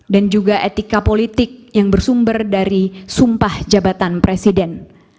dan juga etika politik yang bersumber dari sumpah jabatan presiden